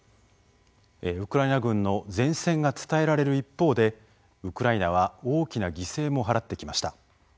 ウクライナ軍の善戦が伝えられる一方でウクライナは大きな犠牲も払ってきました。